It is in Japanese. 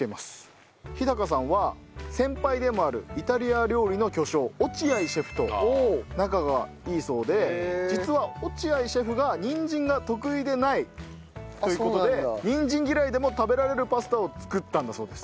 日さんは先輩でもあるイタリア料理の巨匠落合シェフと仲がいいそうで実は落合シェフがにんじんが得意でないという事でにんじん嫌いでも食べられるパスタを作ったんだそうです。